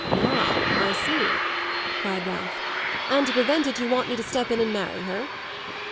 "Ah, I see," cried Ralph; "and to prevent it you want me to step in and marry her?"